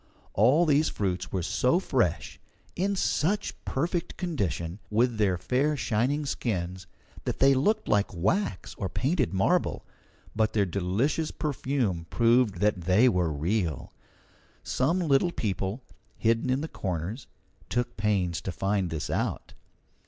All these fruits were so fresh, in such perfect condition, with their fair shining skins, that they looked like wax or painted marble, but their delicious perfume proved that they were real. Some little people, hidden in the corners, took pains to find this out.